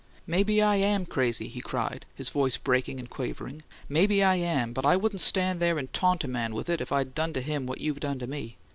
"Maybe I AM crazy!" he cried, his voice breaking and quavering. "Maybe I am, but I wouldn't stand there and taunt a man with it if I'd done to him what you've done to me!